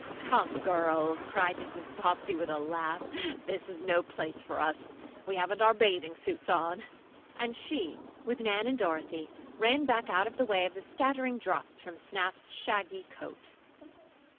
"Come, girls!" cried Mrs. Bobbsey with a laugh, "this is no place for us. We haven't our bathing suits on!" and she, with Nan and Dorothy, ran back out of the way of the scattering drops from Snap's shaggy coat.